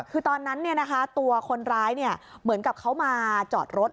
คือตอนนั้นตัวคนร้ายเหมือนกับเขามาจอดรถ